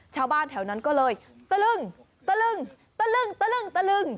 ชาวบ้านแถวนั้นก็เลยตะลึงตะลึงตะลึงตะลึงตะลึง